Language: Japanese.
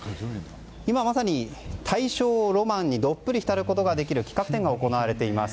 今、まさに大正ロマンにどっぷり浸ることができる企画展が行われています。